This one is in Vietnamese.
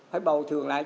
phải bầu thường lại